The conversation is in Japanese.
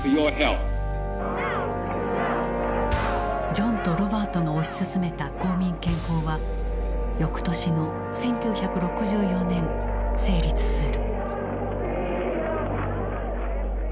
ジョンとロバートの推し進めた公民権法はよくとしの１９６４年成立する。